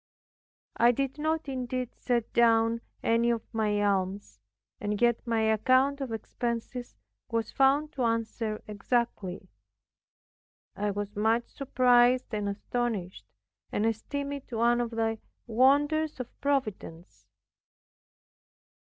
I did not indeed set down any of my alms, and yet my account of expenses was found to answer exactly. I was much surprised and astonished, and esteemed it one of the wonders of Providence.